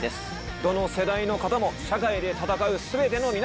どの世代の方も社会で闘う全ての皆さん！